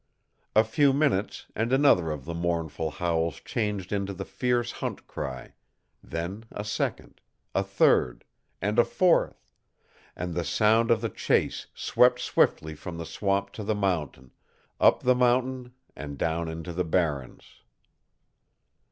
A few minutes, and another of the mournful howls changed into the fierce hunt cry; then a second, a third, and a fourth, and the sound of the chase swept swiftly from the swamp to the mountain, up the mountain and down into the barrens.